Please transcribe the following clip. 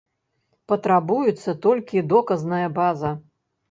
Патрабуецца толькі доказная база.